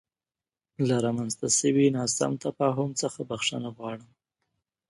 له رامنځته شوې ناسم تفاهم څخه بخښنه غواړم.